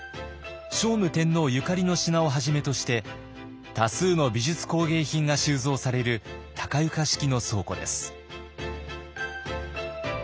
聖武天皇ゆかりの品をはじめとして多数の美術工芸品が収蔵される高床式の倉庫です。